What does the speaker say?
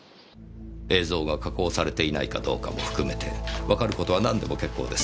映像が加工されていないかどうかも含めてわかる事は何でも結構です。